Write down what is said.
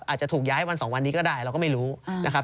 อาจจะถูกย้ายวัน๒วันนี้ก็ได้เราก็ไม่รู้นะครับ